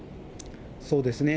そうですね。